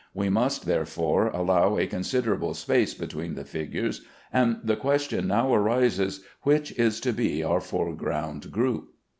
We must, therefore, allow a considerable space between the figures, and the question now arises: Which is to be our foreground group?